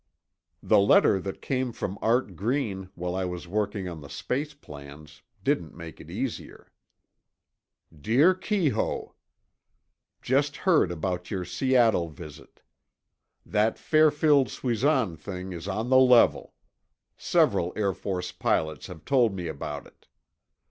The letter that came from Art Green, while I was working on the space plans, didn't make it easier: Dear Keyhoe: Just heard about your Seattle visit. That Fairfield Suisan thing is on the level; several Air Force pilots have told me about it.